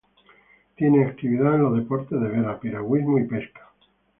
Tiene actividad en los deportes de vela, piragüismo y pesca.